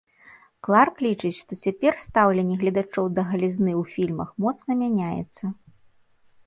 Кларк лічыць, што цяпер стаўленне гледачоў да галізны ў фільмах моцна мяняецца.